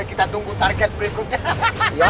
kita tunggu target berikutnya